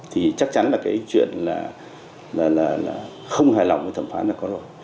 thì chắc chắn là cái chuyện là không hài lòng với thẩm phán là có rồi